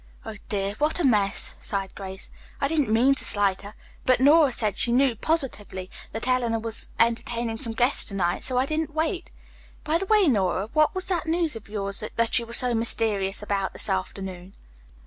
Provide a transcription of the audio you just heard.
"Oh, dear, what a mess," sighed Grace. "I didn't mean to slight her. But Nora said she knew, positively, that Eleanor was entertaining some guests to night, so I didn't wait. By the way, Nora, what was that news of yours that you were so mysterious about this afternoon?"